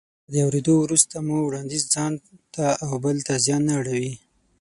که د اورېدو وروسته مو وړانديز ځانته او بل ته زیان نه اړوي.